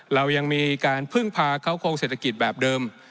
เรายังมีการพึ่งพาเข้าโครงเศรษฐกิจแบบเดิม